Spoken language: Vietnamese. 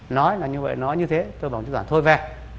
nói như vậy nói như thế tôi bảo thủ đoạn thôi về